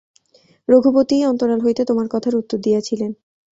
রঘুপতিই অন্তরাল হইতে তোমার কথার উত্তর দিয়াছিলেন।